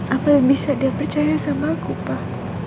apa yang bisa dia percaya sama aku pak